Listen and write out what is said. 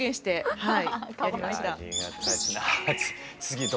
はい。